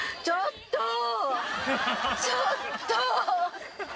ちょっと。